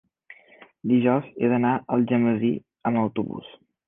Dijous he d'anar a Algemesí amb autobús.